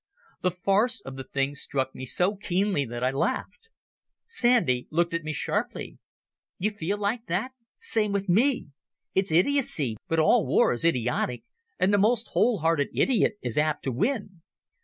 The farce of the thing struck me so keenly that I laughed. Sandy looked at me sharply. "You feel like that? Same with me. It's idiocy, but all war is idiotic, and the most whole hearted idiot is apt to win.